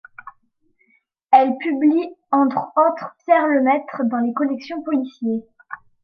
Elle publie, entre autres, Pierre Lemaitre dans la collection Policiers.